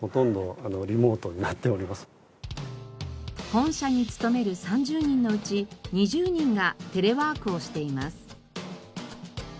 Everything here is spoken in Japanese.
本社に勤める３０人のうち２０人がテレワークをしています。